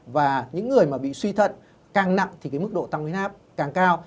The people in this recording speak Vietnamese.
và những người mà bị suy thận càng nặng thì cái mức độ tăng huyết áp càng cao